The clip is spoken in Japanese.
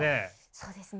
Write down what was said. そうですね。